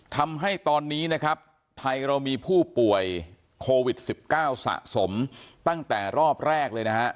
ทำให้ตอนนี้นะครับไทยเรามีผู้ป่วยโควิด๑๙สะสมตั้งแต่รอบแรกเลยนะฮะ